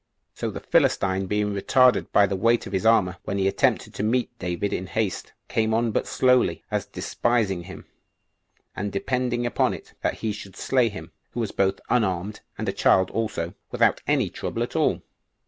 So the Philistine being retarded by the weight of his armor, when he attempted to meet David in haste, came on but slowly, as despising him, and depending upon it that he should slay him, who was both unarmed and a child also, without any trouble at all.